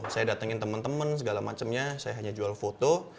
saya datengin temen temen segala macemnya saya hanya jual foto